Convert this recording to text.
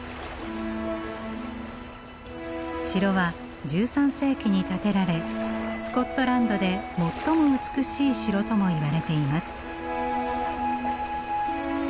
城は１３世紀に建てられスコットランドで最も美しい城ともいわれています。